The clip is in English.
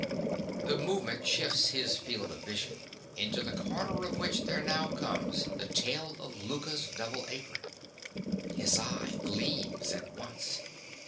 The movement shifts his field of vision, into the corner of which there now comes the tail of Louka's double apron. His eye gleams at once.